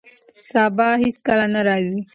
سبا هیڅکله نه راځي.